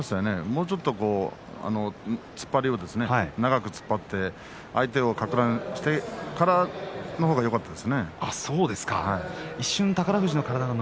もっと突っ張りを長く突っ張って相手をかく乱してそのあとの方がよかったですね。